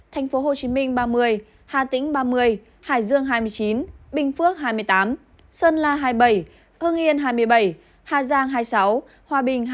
tp hcm ba mươi hà tĩnh ba mươi hải dương hai mươi chín bình phước hai mươi tám sơn la hai mươi bảy hương yên hai mươi bảy hà giang hai mươi sáu hòa bình hai mươi năm